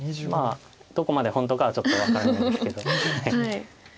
どこまで本当かはちょっと分からないですけど。